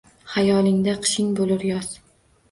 Xayolingda qishing bo’lur yoz